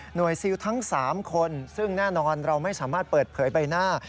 ซิลทั้ง๓คนซึ่งแน่นอนเราไม่สามารถเปิดเผยใบหน้า